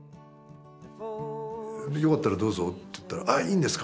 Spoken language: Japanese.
よかったらどうぞと言ったら「あっいいんですか」